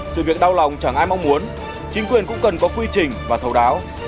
sự việc đau lòng chẳng ai mong muốn chính quyền cũng cần có quy trình và thấu đáo